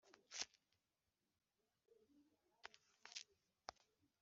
hifashishijwe gushyira ku isoko inyandiko zamamaza